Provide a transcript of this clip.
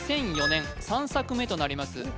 ２００４年３作目となります